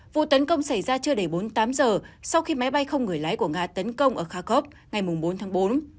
vụ tấn công xảy ra chưa đầy bốn mươi tám giờ sau khi máy bay không người lái của nga tấn công ở kharkov ngày bốn tháng bốn